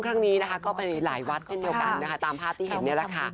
พรุ่งนี้ก็เป็นหลายวัดเช่นเดียวกันตามภาพที่เห็นนี่แหละค่ะ